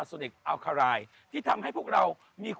วัดสุทัศน์นี้จริงแล้วอยู่มากี่ปีตั้งแต่สมัยราชการไหนหรือยังไงครับ